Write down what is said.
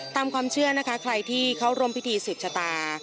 ตามความเชื่อนะคะใครที่เขาร่วมพิธีสืบชะตา